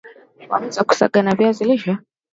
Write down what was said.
waweza kusaga wa viazi lishe